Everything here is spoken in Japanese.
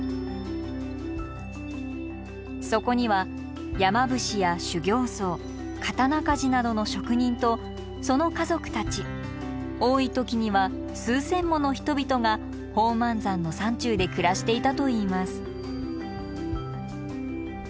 そこには山伏や修行僧刀鍛冶などの職人とその家族たち多い時には数千もの人々が宝満山の山中で暮らしていたといいます。